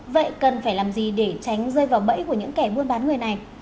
vậy cần phải làm gì để tránh rơi vào bẫy của những kẻ buôn bán người này